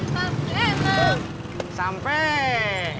selamat ulang tahun kami ucapkan